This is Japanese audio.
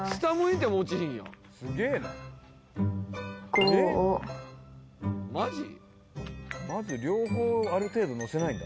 ５まず両方ある程度のせないんだ